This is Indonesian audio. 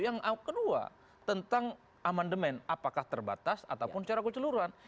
yang kedua tentang amandemen apakah terbatas ataupun secara keseluruhan